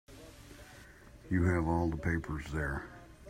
You have all the papers there.